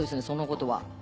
そんなことは。